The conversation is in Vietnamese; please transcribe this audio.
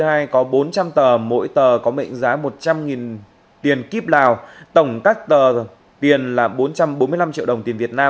hai có bốn trăm linh tờ mỗi tờ có mệnh giá một trăm linh tiền kíp lào tổng các tờ tiền là bốn trăm bốn mươi năm triệu đồng tiền việt nam